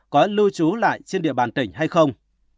có lưu trú lại trên địa bàn tỉnh hay không